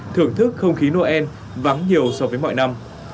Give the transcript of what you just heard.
thưởng thức không khí noel vắng nhiều so với mọi năm